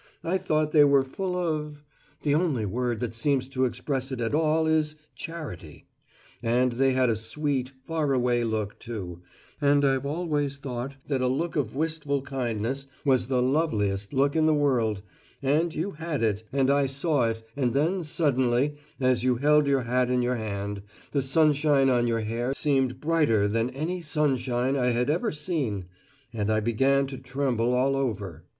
I thought they were full of the only word that seems to express it at all is charity and they had a sweet, faraway look, too, and I've always thought that a look of wistful kindness was the loveliest look in the world and you had it, and I saw it and then suddenly, as you held your hat in your hand, the sunshine on your hair seemed brighter than any sunshine I had ever seen and I began to tremble all over.